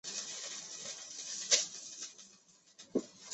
这年的晚些时候被任命为团和军械官副官和军械官。